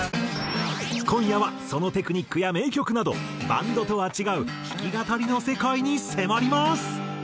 今夜はそのテクニックや名曲などバンドとは違う弾き語りの世界に迫ります。